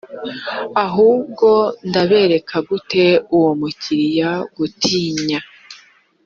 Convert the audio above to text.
ahubwo ndabereka uwo mukwiriye gutinya.